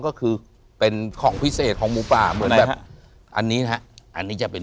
ก็คือเป็นของพิเศษของหมูป่าเหมือนแบบอันนี้นะฮะอันนี้จะเป็น